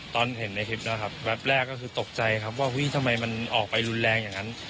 ตอนเห็นในคลิปแล้วครับแป๊บแรกก็คือตกใจครับว่าทำไมมันออกไปรุนแรงอย่างนั้น